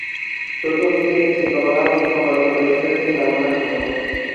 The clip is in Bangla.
প্রথম দিকে এটি চিত্রকলা ও শিক্ষামূলক প্রদর্শনীর জন্য ব্যবহার হত।